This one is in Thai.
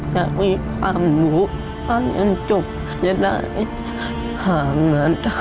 หาเงินต้อง